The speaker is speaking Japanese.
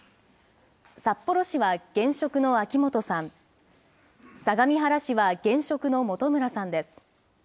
札幌市は現職の秋元さん、相模原市は現職の本村さんです。